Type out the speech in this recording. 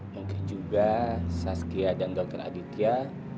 mungkin juga saskia dan dr aditya